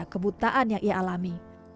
kebutaan yang ia alami